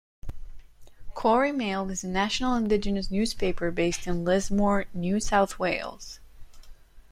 Koori Mail is a national indigenous newspaper based in Lismore, New South Wales.